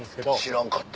知らんかった。